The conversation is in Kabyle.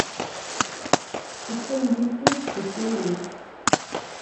Attan din kan sdeffir-wen.